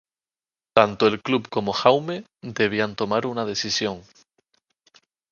Tanto el club como Jaume debían tomar una decisión.